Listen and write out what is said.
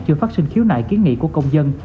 chưa phát sinh khiếu nại kiến nghị của công dân